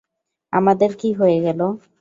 আমাদের কি হয়ে গেলো?